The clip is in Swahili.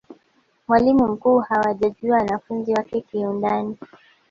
mwalimu mkuu hajawajua wanafunzi wake kiundani